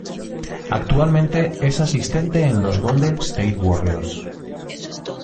Actualmente es asistente en los Golden State Warriors